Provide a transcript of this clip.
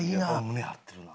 胸張ってるな。